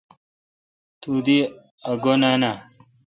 تو دی ا گو°نان آہ۔